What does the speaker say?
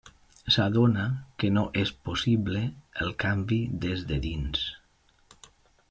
S'adona que no és possible el canvi de s de dins.